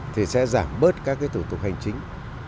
thì sẽ giảm bớt các thủ tục hành chính